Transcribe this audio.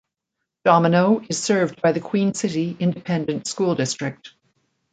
Domino is served by the Queen City Independent School District.